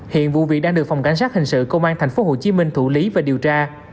hiện vụ việc đang được phòng cảnh sát hình sự công an tp hcm thủ lý và điều tra